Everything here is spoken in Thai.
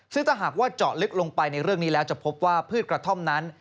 ซึ่งถ้าหากว่าเจาะลึกลงไปในเรื่องนี้แล้วจะพบว่าพืชกระท่อมนั้น